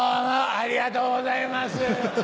ありがとうございます。